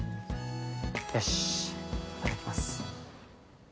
よしいただきます。